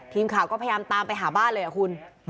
ทีมข่าวก็พยายามตามไปหาบ้านเลยคุณ